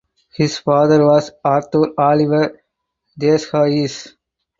His father was Arthur Oliver Deshaies.